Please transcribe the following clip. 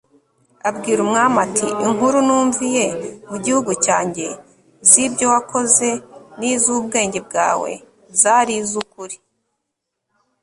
abwira umwami ati 'inkuru numviye mu gihugu cyanjye z'ibyo wakoze n'iz'ubwenge bwawe zari iz'ukuri